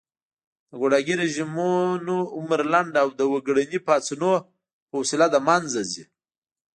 د ګوډاګي رژيمونه عمر لنډ او د وګړني پاڅونونو په وسیله له منځه ځي